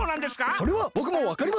それはぼくもわかりません！